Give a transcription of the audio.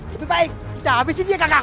lebih baik kita habisin dia kagang